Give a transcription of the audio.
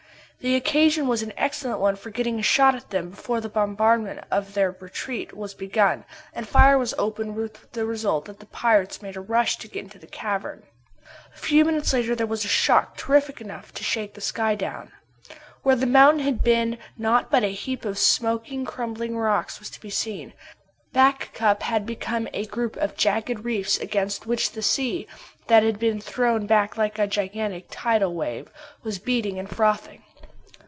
The occasion was an excellent one for getting a shot at them before the bombardment of their retreat was begun, and fire was opened with the result that the pirates made a rush to get into the cavern. A few minutes later there was a shock terrific enough to shake the sky down. Where the mountain had been, naught but a heap of smoking, crumbling rocks was to be seen. Back Cup had become a group of jagged reefs against which the sea, that had been thrown back like a gigantic tidal wave, was beating and frothing.